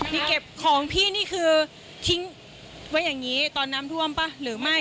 พี่เก็บของพี่นี่คือทิ้งไว้อย่างนี้ตอนน้ำท่วมป่ะหรือไม่